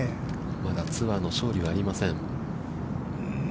まだツアーの勝利はありません。